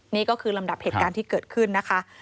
นี่ก็คือลำดับเหตุการณ์ที่เกิดขึ้นนะคะ